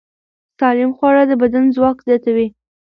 سالم خواړه د بدن ځواک زیاتوي.